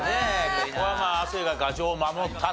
これはまあ亜生が牙城を守ったと。